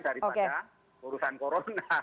daripada urusan corona